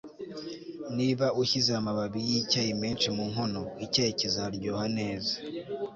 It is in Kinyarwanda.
Niba ushyize amababi yicyayi menshi mu nkono icyayi kizaryoha neza